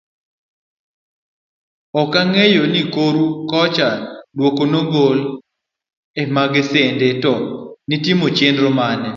Okang'eyo ni koru kocha duoko nogol emagasede to noti gichenro mane.